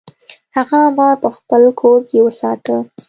هغه مار په خپل کور کې وساته.